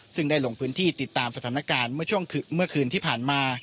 ซึ่งได้หลงพื้นที่ติดตามสถานการณ์เมื่อคืนที่ผ่านมา